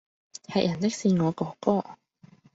喫人的是我哥哥！